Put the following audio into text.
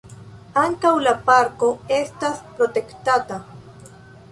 Ankaŭ la parko estas protektata.